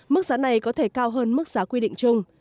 mức giá này có thể cao hơn mức giá quy định chung